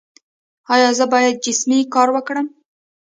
ایا زه باید جسمي کار وکړم؟